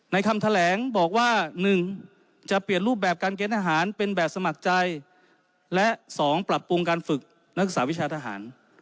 คำแถลงบอกว่า๑จะเปลี่ยนรูปแบบการเกณฑ์ทหารเป็นแบบสมัครใจและ๒ปรับปรุงการฝึกนักศึกษาวิชาทหาร